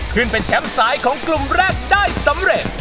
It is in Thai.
ขึ้นเป็นแชมป์สายของกลุ่มแรกได้สำเร็จ